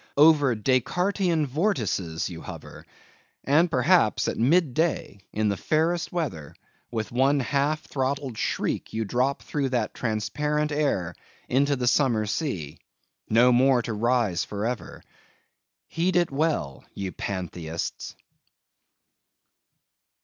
Over Descartian vortices you hover. And perhaps, at mid day, in the fairest weather, with one half throttled shriek you drop through that transparent air into the summer sea, no more to rise for ever. Heed it well, ye Pantheists!